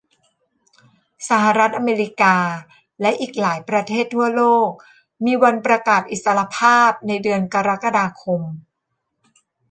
สหรัฐอเมริกาและอีกหลายประเทศทั่วโลกมีวันประกาศอิสรภาพในเดือนกรกฎาคม